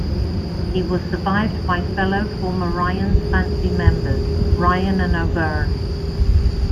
He was survived by fellow former Ryan's Fancy members Ryan and O'Byrne.